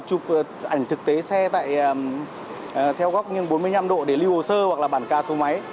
chụp ảnh thực tế xe theo góc bốn mươi năm độ để lưu hồ sơ hoặc là bản ca số máy